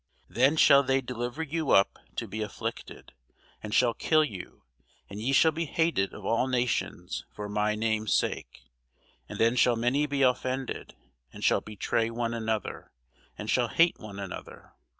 Then shall they deliver you up to be afflicted, and shall kill you: and ye shall be hated of all nations for my name's sake. And then shall many be offended, and shall betray one another, and shall hate one another.